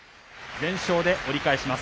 全勝で折り返します。